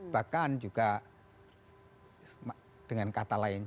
bahkan juga dengan kata lain